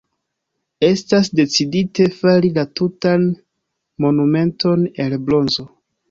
Estas decidite fari la tutan monumenton el bronzo.